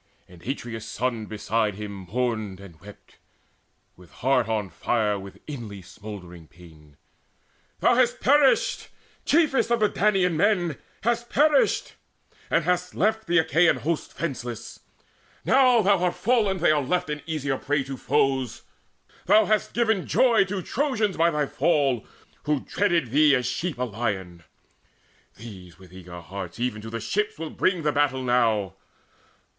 And Atreus' son beside him mourned and wept With heart on fire with inly smouldering pain: "Thou hast perished, chiefest of the Danaan men, Hast perished, and hast left the Achaean host Fenceless! Now thou art fallen, are they left An easier prey to foes. Thou hast given joy To Trojans by thy fall, who dreaded thee As sheep a lion. These with eager hearts Even to the ships will bring the battle now.